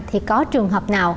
thì có trường hợp nào